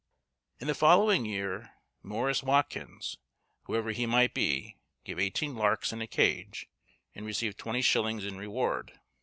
In the following year, Morrys Watkins, whoever he might be, gave eighteen larks in a cage, and received 20_s._ in reward.